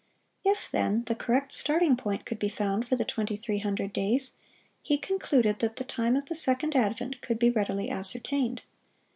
If, then, the correct starting point could be found for the 2300 days, he concluded that the time of the second advent could be readily ascertained.